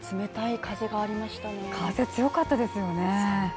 風、強かったですよね。